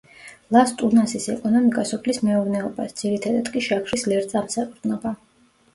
ლას-ტუნასის ეკონომიკა სოფლის მეურნეობას, ძირითადად კი შაქრის ლერწამს ეყრდნობა.